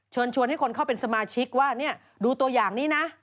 ชวนให้คนเข้าเป็นสมาชิกว่าเนี่ยดูตัวอย่างนี้นะ